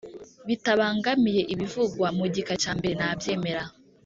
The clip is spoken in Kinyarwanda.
Bitabangamiye ibivugwa mu gika cya mbere nabyemera